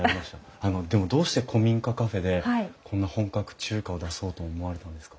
あのでもどうして古民家カフェでこんな本格中華を出そうと思われたんですか？